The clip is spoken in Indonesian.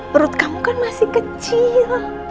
perut kamu kan masih kecil